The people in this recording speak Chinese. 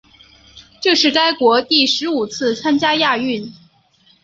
这是该国第十五次参加亚运。